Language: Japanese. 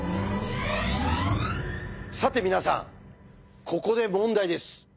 さて皆さんここで問題です。